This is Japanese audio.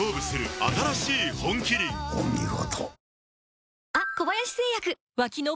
お見事。